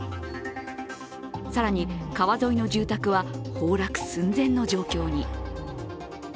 更に川沿いの住宅は崩落寸前の状況に。